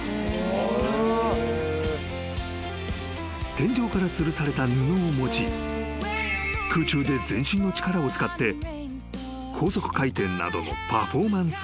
［天井からつるされた布を用い空中で全身の力を使って高速回転などのパフォーマンスを行う］